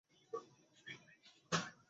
তাই গতকাল তার সাথে দেখা করতে গেলাম।